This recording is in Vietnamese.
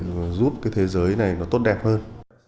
đoàn kết với nhau để giúp cái thế giới này nó tốt đẹp hơn